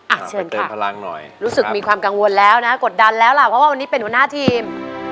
เชิญเติมพลังหน่อยรู้สึกมีความกังวลแล้วนะกดดันแล้วล่ะเพราะว่าวันนี้เป็นหัวหน้าทีม